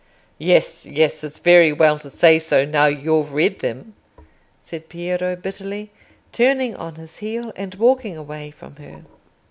"Yes, yes, it's very well to say so now you've read them," said Piero, bitterly, turning on his heel and walking away from her.